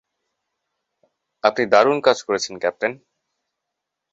আপনি দারুণ কাজ করেছেন, ক্যাপ্টেন।